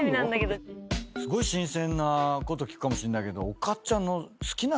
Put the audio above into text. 「すごい新鮮なこと聞くかもしんないけど」